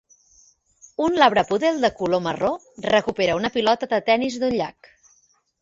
un labrapoodle de color marró recupera una pilota de tenis d"un llac.